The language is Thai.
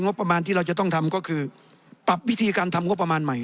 งบประมาณที่เราจะต้องทำก็คือปรับวิธีการทำงบประมาณใหม่